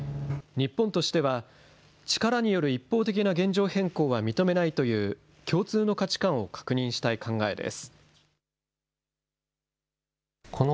日本としては、力による一方的な現状変更は認めないという共通の価値観を確認したい考えです。